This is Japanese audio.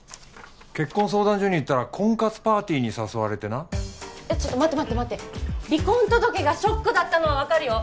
結婚相談所に行ったら婚活パーティーに誘われてなえっちょっと待って待って待って離婚届がショックだったのは分かるよ